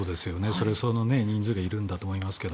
それ相応の人数がいるんだと思いますが。